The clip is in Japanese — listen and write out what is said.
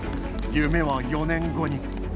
夢は４年後に。